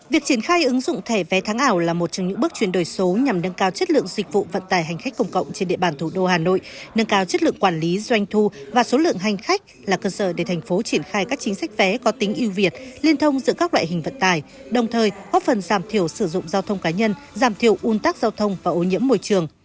việc triển khai ứng dụng thẻ vé tháng ảo là một trong những bước chuyển đổi số nhằm nâng cao chất lượng dịch vụ vận tải hành khách công cộng trên địa bàn thủ đô hà nội nâng cao chất lượng quản lý doanh thu và số lượng hành khách là cơ sở để thành phố triển khai các chính sách vé có tính yêu việt liên thông giữa các loại hình vận tài đồng thời hóp phần giảm thiểu sử dụng giao thông cá nhân giảm thiểu un tắc giao thông và ô nhiễm môi trường